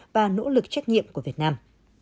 và nỗ lực trách nhiệm của việt nam